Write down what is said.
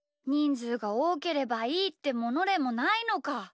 ずうがおおければいいってものでもないのか。